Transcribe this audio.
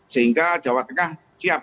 sehingga jawa tengah siap